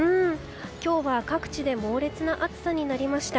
今日は各地で猛烈な暑さになりました。